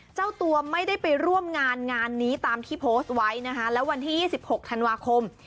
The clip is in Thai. เจ้าตัวไม่ได้ไปร่วมงานงานนี้ตามที่โพสต์ไว้นะคะแล้ววันที่๒๖ธันวาคม